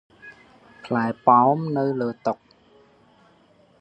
ផ្លែប៉ោមនៅលើតុ។